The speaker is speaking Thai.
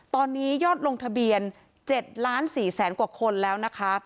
ตอนนี้ยอดลงทะเบียน๗ล้าน๔แสนกว่าคนแล้วนะคะ